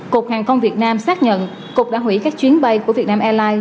cục hàng không việt nam xác nhận cục đã hủy các chuyến bay của việt nam airlines